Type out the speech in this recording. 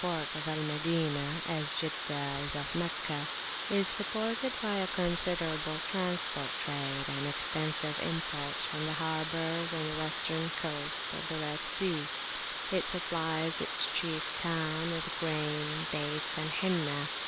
226] as Jeddah is of Meccah, is supported by a considerable transport trade and extensive imports from the harbours on the Western coasts of the Red Sea; it supplies its chief town with grain, dates, and henna.